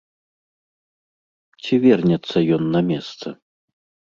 Ці вернецца ён на месца?